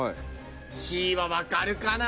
Ｃはわかるかな？